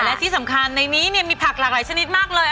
และที่สำคัญในนี้มีผักหลากหลายชนิดมากเลย